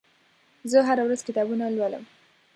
زه هره ورځ کتابونه لولم.